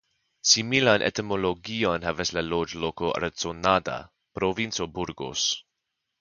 Similan etimologion havas la loĝloko Arconada (Provinco Burgos).